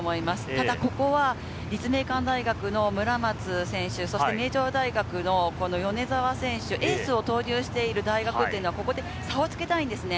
ただここは立命館大学の村松選手、そして名城大学の米澤選手、エースを投入している大学というのは、ここで差をつけたいんですね。